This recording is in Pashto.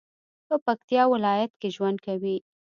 په پکتیا ولایت کې ژوند کوي